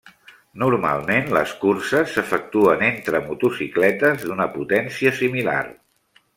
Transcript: Normalment, les curses s'efectuen entre motocicletes d'una potència similar.